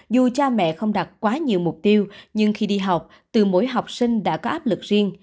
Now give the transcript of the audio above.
dù cha mẹ không đặt quá nhiều mục tiêu nhưng khi đi học từ mỗi học sinh đã có áp lực riêng